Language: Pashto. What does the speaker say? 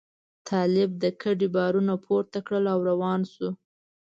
طالب د کډې بارونه پورته کړل او روان شو.